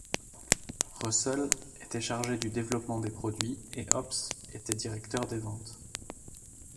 Russell était chargé du développement des produits, et Hobbs était directeur des ventes.